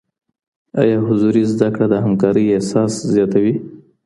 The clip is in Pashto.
ايا حضوري زده کړه د همکارۍ احساس زياتوي؟